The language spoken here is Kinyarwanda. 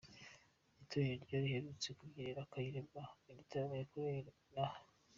Iryo torero ni ryo riherutse kubyinira Kayirebwa mu gitaramo yakoreye inaha.”